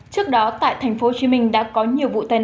trước đó tại tp hcm đã có nhiều vụ tai nạn